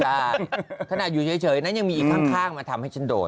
ขนาดอยู่เฉยนั้นยังมีอีกข้างมาทำให้ฉันโดน